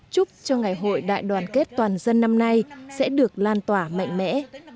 chúc cho ngày hội đại đoàn kết toàn dân năm nay sẽ được lan tỏa mạnh mẽ